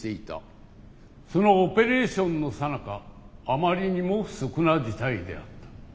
そのオペレーションのさなかあまりにも不測な事態であった。